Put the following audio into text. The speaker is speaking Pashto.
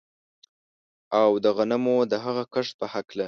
او د غنمو د هغه کښت په هکله